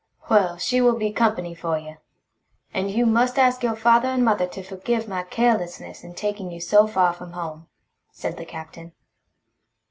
"Well, she will be company for you. And you must ask your father and mother to forgive my carelessness in taking you so far from home," said the Captain.